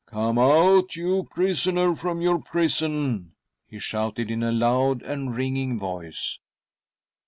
" Come out, you prisoner from your prison !" he shouted in a loud and ringing voice.